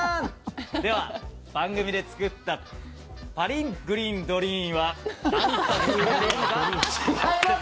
では、番組で作った「パリングリンドリーン」は。